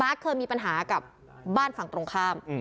เคยมีปัญหากับบ้านฝั่งตรงข้าม